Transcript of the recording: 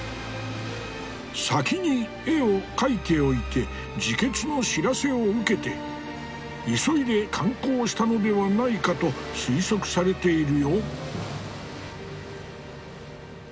先に絵を描いておいて自決の知らせを受けて急いで刊行したのではないかと推測されているよ。